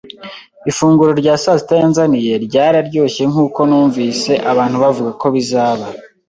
Ifunguro rya sasita yanzaniye ryararyoshye nkuko numvise abantu bavuga ko bizaba.